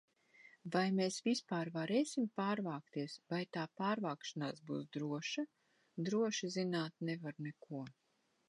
Vai mēs vispār varēsim pārvākties, vai tā pārvākšanās būs droša? Droši zināt nevar neko.